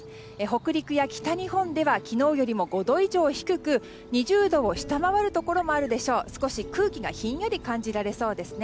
北陸や北日本では昨日より５度以上低く２０度を下回るところもあり空気がひんやり感じられそうです。